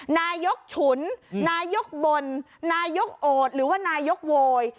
นายกถลังนายกบ่นนายกโอดหรือนายกโวย